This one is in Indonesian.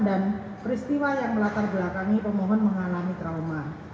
dan peristiwa yang melatar belakangi pemohon mengalami trauma